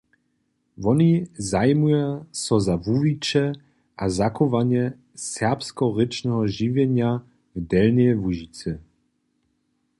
Woni zajimuja so za wuwiće a zachowanje serbskorěčneho žiwjenja w Delnjej Łužicy.